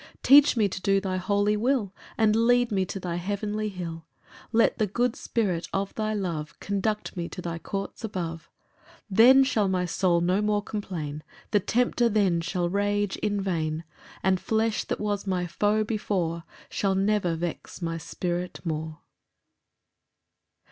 11 Teach me to do thy holy will, And lead me to thy heavenly hill; Let the good Spirit of thy love Conduct me to thy courts above. 12 Then shall my soul no more complain, The tempter then shall rage in vain; And flesh that was my foe before, Shall never vex my spirit more.